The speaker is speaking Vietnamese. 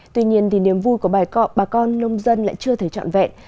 tuy nhiên niềm vui của bài cọ bà con nông dân lại chưa thể chọn vẹn